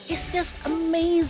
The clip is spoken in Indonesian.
ini sangat luar biasa